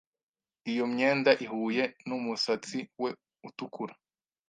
Iyo myenda ihuye numusatsi we utukura.